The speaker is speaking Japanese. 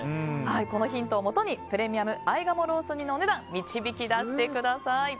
このヒントをもとにプレミアム合鴨ロース煮のお値段導き出してください。